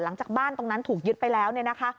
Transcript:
หลังจากบ้านตรงนั้นถูกยึดไปแล้ว